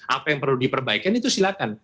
apa yang perlu diperbaikan itu silakan